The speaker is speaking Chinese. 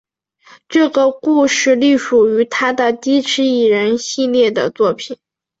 这个故事隶属于他的机器人系列的作品。